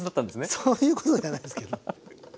そういうことではないんですけど。